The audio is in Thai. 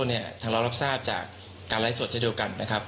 เนี่ยทางเรารับทราบจากการไร้สวดใช่เดียวกันนะครับ